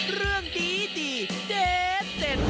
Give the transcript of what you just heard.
เรื่องดีเด็ด